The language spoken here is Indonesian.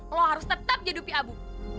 lo harus tetap jadi upi abu